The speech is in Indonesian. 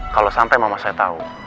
kalau sampai mama saya tahu